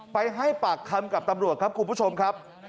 ไปให้ปากคำกับตำรวจครับคุณผู้ชมครับ